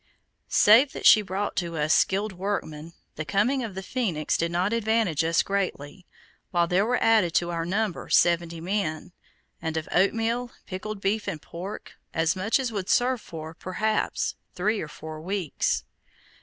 Save that she brought to us skilled workmen, the coming of the Phoenix did not advantage us greatly, while there were added to our number, seventy men, and of oatmeal, pickled beef and pork, as much as would serve for, perhaps, three or four weeks.